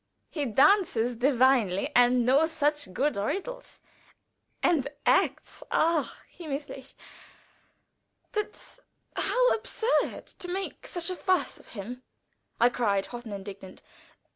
He dances divinely, and knows such good riddles, and acts ach, himmlisch!" "But how absurd to make such a fuss of him!" I cried, hot and indignant.